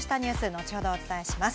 後ほどお伝えします。